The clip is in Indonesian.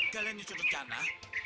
kalian nyusun rencana